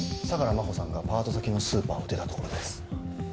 相良真帆さんがパート先のスーパーを出たところです